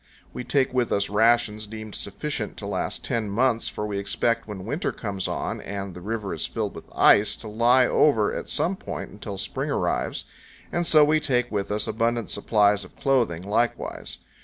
We take with us rations deemed sufficient to last ten months, for we expect, when winter comes on and the river is filled with ice, to lie over at some point until spring arrives; and so we take with us abundant supplies of clothing, likewise.